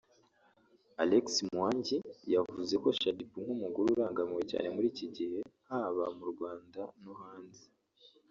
Alex Muhangi yavuze kuri Shaddy Boo nk’umugore urangariwe cyane muri iki gihe haba mu Rwanda no hanze